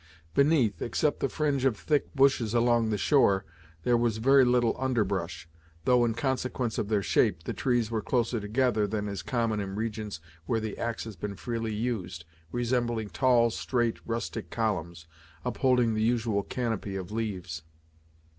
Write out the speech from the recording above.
Beneath, except the fringe of thick bushes along the shore, there was very little underbrush; though, in consequence of their shape, the trees were closer together than is common in regions where the axe has been freely used, resembling tall, straight, rustic columns, upholding the usual canopy of leaves.